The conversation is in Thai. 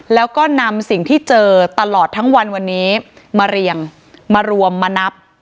แล้วก็นำสิ่งที่เจอตลอดทั้งวันวันนี้มาเรียงมารวมมานับ